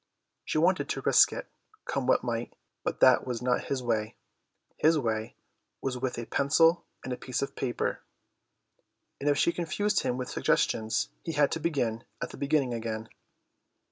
She wanted to risk it, come what might, but that was not his way; his way was with a pencil and a piece of paper, and if she confused him with suggestions he had to begin at the beginning again.